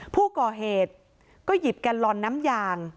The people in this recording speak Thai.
ผู้ก่อเหตุก็หยิบแกนลอนน้ำยาง